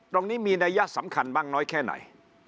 ตรงนี้มีนัยยะสำคัญมากน้อยแค่ไหน